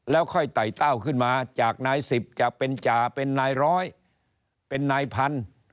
แล้วค่อยไต่เต้าขึ้นมาจากนายสิบจะเป็นจ่าเป็นนายร้อยเป็นนายพันธุ์